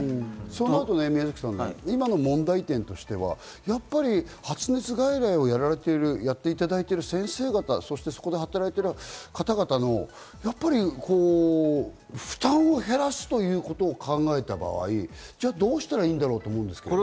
そうなると今の問題点としては、発熱外来をやられている先生方、そして働いている方々の負担を減らすということを考えた場合、どうしたらいいんだろうと思うんですけど。